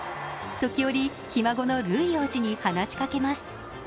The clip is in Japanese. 時折、ひ孫のルイ王子に話しかけます。